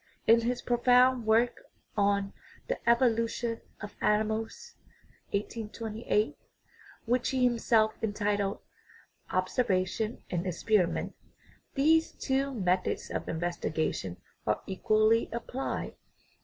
In his profound work on "the evolution of animals" (1828), which he himself entitled Observation and Experiment, these two methods of investigation are equally applied.